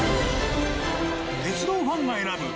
鉄道ファンが選ぶ